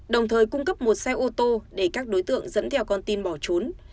đồng thời cung cấp một xe ô tô để các đối tượng dẫn theo con tin bỏ trốn